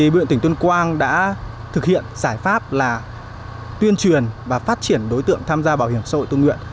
bộ y tỉnh tuyên quang đã thực hiện giải pháp là tuyên truyền và phát triển đối tượng tham gia bảo hiểm xã hội tương nguyện